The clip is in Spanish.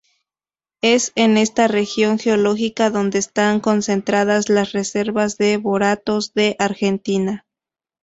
Es en esta región geológica donde están concentradas las reservas de boratos de Argentina.